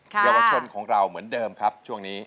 เยาวชนของเราเหมือนเดิมครับช่วงนี้